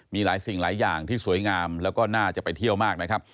มีหลายสิ่งหลายอย่างที่สวยงามแล้วก็น่าจะไปเที่ยวมากนะครับ